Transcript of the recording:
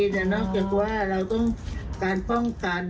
เดี๋ยวนอกจากว่าเราต้องการฟ่องกัน